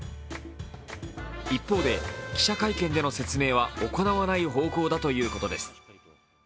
一方で、記者会見での説明は行わない方向だということです。